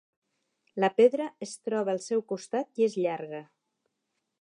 La pedra es troba al seu costat i és llarga.